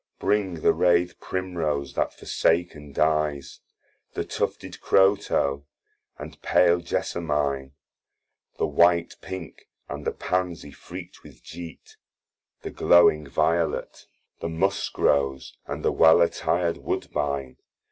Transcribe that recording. Bring the rathe Primrose that forsaken dies. The tufted Crow toe, and pale Gessamine, The white Pink, and the Pansie freakt with jeat, The glowing Violet. The Musk rose, and the well attir'd Woodbine.